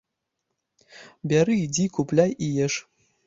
Бяры ідзі, купляй і еш.